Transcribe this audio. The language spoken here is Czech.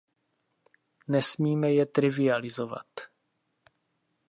Nesmíme je trivializovat.